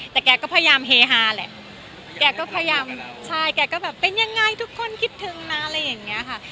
แต่แกก็พยายามเฮฮาแหละแกก็พยายามใช่แกก็แบบเป็นยังไงทุกคนคิดถึงนะอะไรอย่างนี้ค่ะ